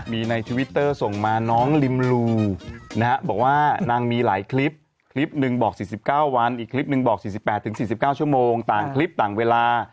มีในทวิตเตอร์ส่งมาน้องลิมรูนะบอกว่านางมีหลายคลิปคลิปหนึ่งบอกสี่สิบเก้าวันอีกคลิปหนึ่งบอกสี่สิบแปดถึงสี่สิบเก้าชั่วโมงต่างคลิปต่างเวลา